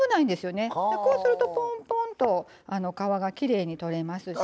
こうするとぽんぽんと皮がきれいに取れますし。